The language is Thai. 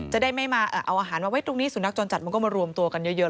จะได้ไม่มาเอาอาหารมาไว้ตรงนี้สุนัขจรจัดมันก็มารวมตัวกันเยอะ